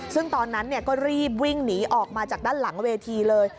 ซึ่งตอนนั้นก็รีบวิ่งหนีออกมาจากด้านหลังเวทีเลย